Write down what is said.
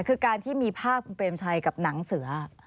คือการที่มีภาพคุณเปรมชัยกับหนังเสือ